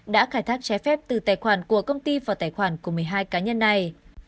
đã khai thác trái phép từ tài khoản của công ty vào tài khoản của một mươi hai cá nhân này